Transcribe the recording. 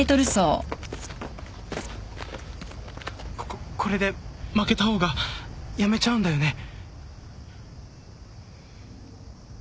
こここれで負けた方が辞めちゃうんだよね？